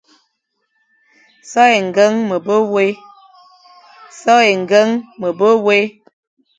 So é ñgeñ me be wé,